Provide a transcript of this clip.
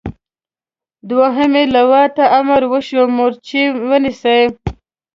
دوهمې لواء ته امر وشي مورچې ونیسي.